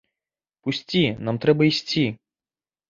Пусці, нам трэба ісці.